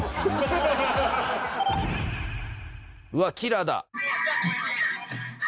うわっキラーだ。